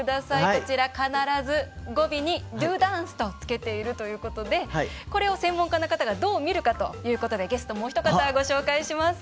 こちら、必ず語尾に「ＤＯＤＡＮＣＥ」とつけているということでこれを専門家の方がどう見るかということでゲスト、もうひと方ご紹介します。